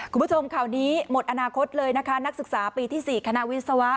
คุณผู้ชมข่าวนี้หมดอนาคตเลยนะคะนักศึกษาปีที่๔คณะวิศวะ